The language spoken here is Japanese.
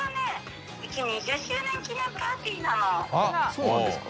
そうなんですか？